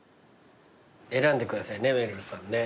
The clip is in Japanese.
選んでくださいねめるるさんね。